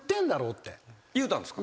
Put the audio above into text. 言うたんですか？